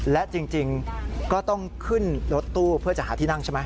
และจริงก็ต้องขึ้นรถตู้เพื่อจะหาที่นั่งใช่ไหม